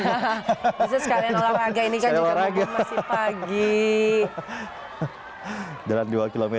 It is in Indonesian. bisa sekalian olahraga ini kan juga masih pagi